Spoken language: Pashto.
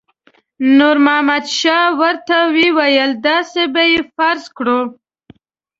نور محمد شاه ورته وویل داسې به یې فرض کړو.